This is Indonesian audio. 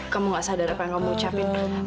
kamu gak sadar apa yang kamu ucapin